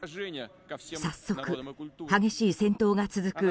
早速、激しい戦闘が続く